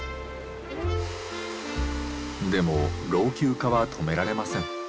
でも老朽化は止められません。